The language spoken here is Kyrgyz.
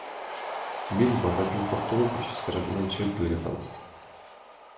Биз базардын Токтогул көчөсү тарабынан чыгып келе жатканбыз.